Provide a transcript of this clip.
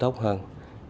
trong việc học nghề